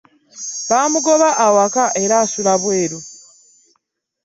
Bamugoba awaka era asula bweru.